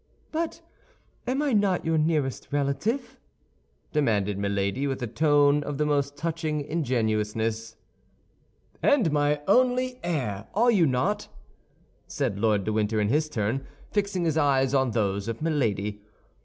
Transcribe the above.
"But am I not your nearest relative?" demanded Milady, with a tone of the most touching ingenuousness. "And my only heir, are you not?" said Lord de Winter in his turn, fixing his eyes on those of Milady.